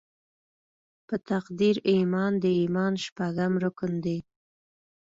په تقدیر ایمان د ایمان شپږم رکن دې.